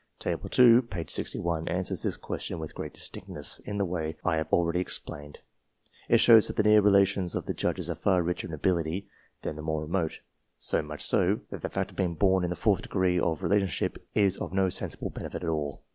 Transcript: Table II. (p. 55) answers this question with freat distinctness in the way I have already explained, t shows that the near relations of the Judges are far richer in ability than the more remote so much so, that the fact of being born in the fourth degree of relationship is of no sensible benefit at all.